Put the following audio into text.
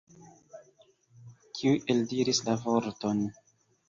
Kiu eldiris la vorton?